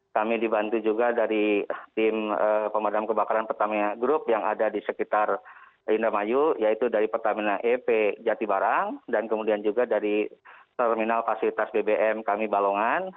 kami dibantu juga dari tim pemadam kebakaran pertamina group yang ada di sekitar indramayu yaitu dari pertamina e p jatibarang dan kemudian juga dari terminal fasilitas bbm kami balongan